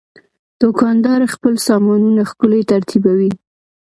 دوکاندار خپل سامانونه ښکلي ترتیبوي.